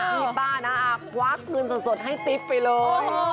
พี่ป้าน้าอาควักเงินสดให้ติ๊บไปเลย